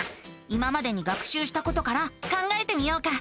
今までに学しゅうしたことから考えてみようか。